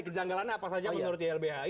kejanggalan apa saja menurut lbhi